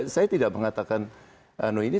saya tidak mengatakan ini